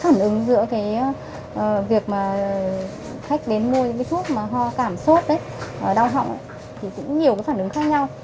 phản ứng giữa việc khách đến mua thuốc mà ho cảm xốt đau họng thì cũng nhiều phản ứng khác nhau